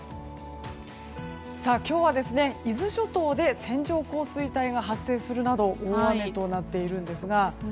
今日は伊豆諸島で線状降水帯が発生するなど大雨となっているんですが。